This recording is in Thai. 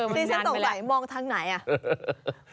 นี่ฉันต้องไปมองทางไหนอะ